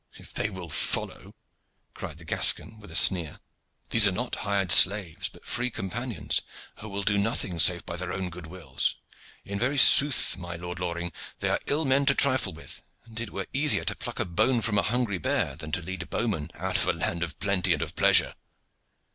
"If they will follow," cried the Gascon with a sneer. "These are not hired slaves, but free companions, who will do nothing save by their own good wills. In very sooth, my Lord Loring, they are ill men to trifle with, and it were easier to pluck a bone from a hungry bear than to lead a bowman out of a land of plenty and of pleasure."